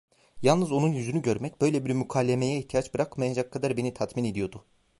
Yalnız onun yüzünü görmek, böyle bir mükalemeye ihtiyaç bırakmayacak kadar beni tatmin ediyordu.